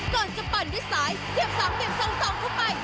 ก่อนจะปั่นด้วยสายเสียบสามเสียบสองเข้าไป